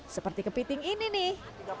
seperti kepiting ini nih